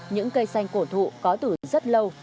những cây xanh cổ thụ có từ rất lâu